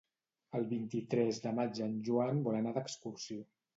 El vint-i-tres de maig en Joan vol anar d'excursió.